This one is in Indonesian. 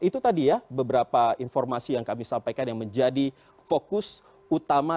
itu tadi ya beberapa informasi yang kami sampaikan yang menjadi fokus utama